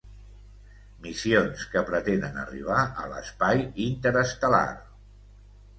Missions que pretenen arribar a l'espai interestel·lar.